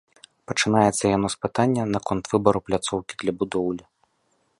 Пачынаецца яно з пытання наконт выбару пляцоўкі для будоўлі.